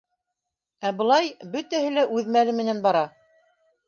Ә былай, бөтәһе лә үҙ мәле менән бара.